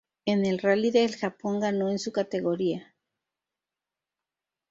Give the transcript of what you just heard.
En el rally del Japón ganó en su categoría.